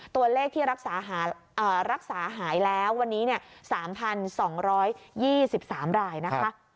ตัวเลขที่รักษาหายแล้ววันนี้๓๒๒๓รายนะคะ